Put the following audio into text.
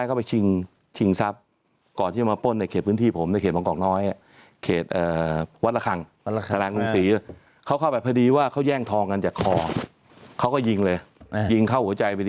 การสู้ท้ายเขาไปชิงซับ